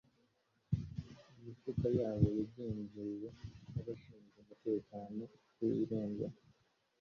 Imifuka yabo yagenzuwe n’abashinzwe umutekano ku irembo.